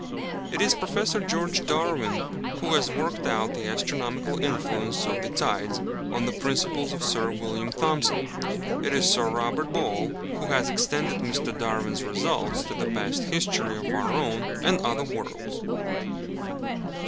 It is Prof. George Darwin who has worked out the astronomical influence of the tides, on the principles of Sir William Thomson: it is Sir Robert Ball who has extended Mr. Darwin's results to the past history of our own and other worlds.